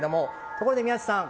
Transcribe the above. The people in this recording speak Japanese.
ここで宮司さん